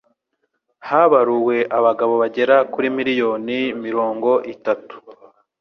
habaruwe abagabo bagera kuri miliyoni mirongo itatu